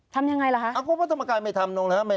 ทำยังไงล่ะครับวัดธรรมกายไม่ทำ